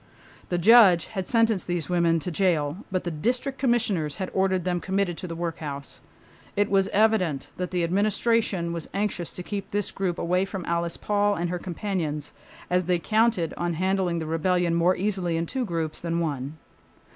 The judge had sentenced these women to the jail, but the District Commissioners had ordered them committed to the workhouse. It was evident that the Administration was anxious to keep this group away from Alice Paul and her companions, as they counted on handling the rebellion more easily in two groups than one.